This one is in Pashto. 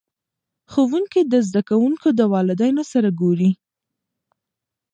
ښوونکي د زده کوونکو د والدینو سره ګوري.